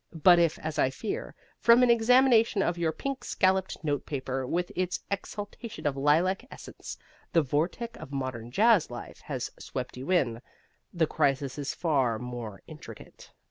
But if, as I fear from an examination of your pink scalloped notepaper with its exhalation of lilac essence, the vortex of modern jazz life has swept you in, the crisis is far more intricate.